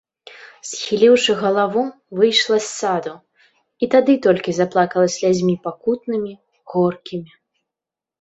Схіліўшы галаву, выйшла з саду і тады толькі заплакала слязьмі пакутнымі, горкімі.